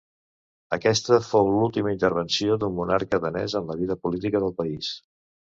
Aquesta fou l'última intervenció d'un monarca danès en la vida política del país.